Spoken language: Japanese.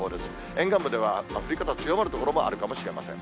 沿岸部では降り方強まる所があるかもしれません。